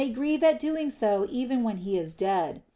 grieve at doing so even when he is dead.